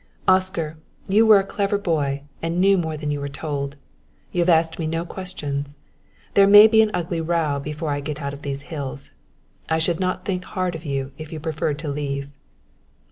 "Oscar, you were a clever boy and knew more than you were told. You have asked me no questions. There may be an ugly row before I get out of these hills. I should not think hard of you if you preferred to leave."